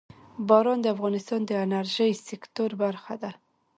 باران د افغانستان د انرژۍ سکتور برخه ده.